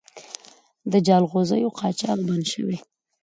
د جلغوزیو قاچاق بند شوی؟